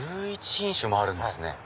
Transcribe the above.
１１品種もあるんですね。